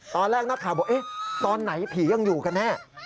ตอนแรกนักข่าวบอกตอนไหนผียังอยู่กันแน่